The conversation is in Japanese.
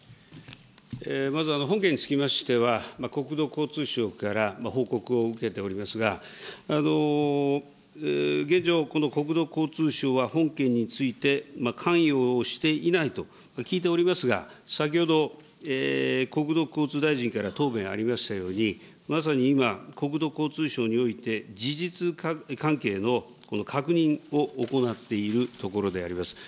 まず、本件につきましては、国土交通省から報告を受けておりますが、現状、この国土交通省は本件について、関与をしていないと聞いておりますが、先ほど国土交通大臣から答弁ありましたように、まさに今、国土交通省において、事実関係の確認を行っているところであります。